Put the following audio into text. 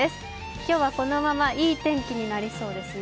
今日はこのままいい天気になりそうですね。